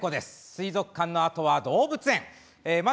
水族館のあとは動物園